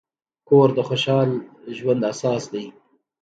کور د خوشحال ژوند اساس دی.